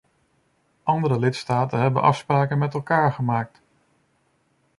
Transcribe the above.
Andere lidstaten hebben afspraken met elkaar gemaakt.